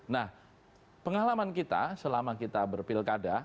nah pengalaman kita selama kita berpilkada